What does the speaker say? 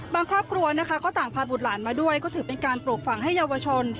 ครอบครัวนะคะก็ต่างพาบุตรหลานมาด้วยก็ถือเป็นการปลูกฝังให้เยาวชน